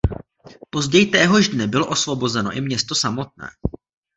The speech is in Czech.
Později téhož dne bylo osvobozeno i město samotné.